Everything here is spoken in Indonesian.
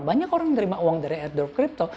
banyak orang yang nerima uang dari airdrop crypto